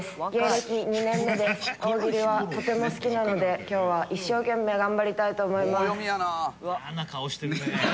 「大喜利はとても好きなので今日は一生懸命頑張りたいと思います」